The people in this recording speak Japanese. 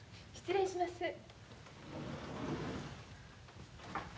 ・失礼します。